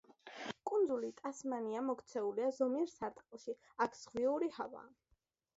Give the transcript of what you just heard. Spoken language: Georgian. კუნძული ტასმანია მოქცეულია ზომიერ სარტყელში, აქ ზღვიური ჰავაა.